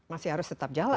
masih harus tetap jalan